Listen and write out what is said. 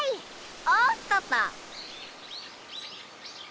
おっとっと。